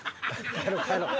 帰ろう帰ろう。